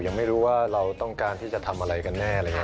ยังไม่รู้ว่าเราต้องการที่จะทำอะไรกันหน่อย